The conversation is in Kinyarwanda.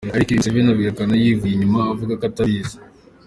Ariko ibi Museveni akabihakana yivuye inyuma avuga ko atabizi.